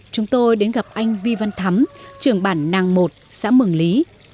chúng tôi đến gặp anh vi văn thắm trưởng bản nàng một xã mường lý